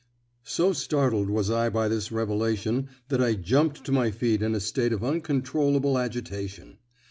So startled was I by this revelation that I jumped to my feet in a state of uncontrollable agitation.